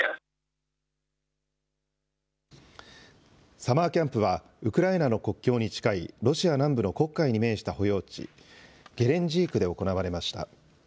サマーキャンプは、ウクライナの国境に近いロシア南部の黒海に面した保養地、ゲレンジークで行われました。